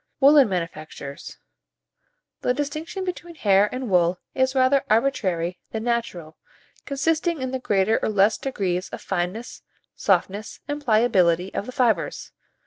WOOLLEN MANUFACTURES. The distinction between hair and wool is rather arbitrary than natural, consisting in the greater or less degrees of fineness, softness and pliability of the fibres.